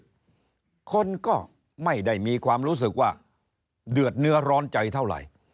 คนก็ไม่ได้มีความรู้สึกว่าเดือดเนื้อร้อนใจเท่าไหร่